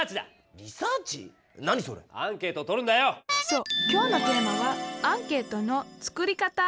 そうきょうのテーマは「アンケートの作り方」。